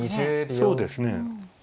そうですね。